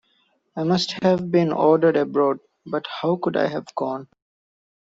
I must have been ordered abroad, but how could I have gone?